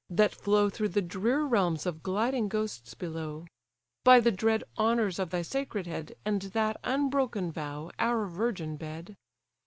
that flow Through the drear realms of gliding ghosts below; By the dread honours of thy sacred head, And that unbroken vow, our virgin bed!